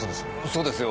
そうですよ